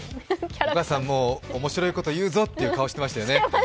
お母さん、もう面白いこと言うぞって顔してましたよね。